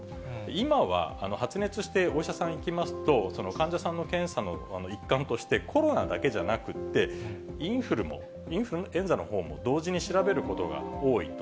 今は発熱してお医者さん行きますと、患者さんの検査の一環として、コロナだけじゃなくって、インフルも、インフルエンザのほうも同時に調べることが多いと。